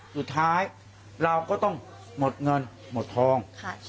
สุดท้ายเราก็ต้องหมดเงินหมดทอง